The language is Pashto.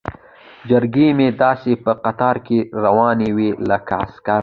چرګې مې داسې په قطار کې روانې وي لکه عسکر.